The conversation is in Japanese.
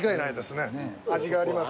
味があります。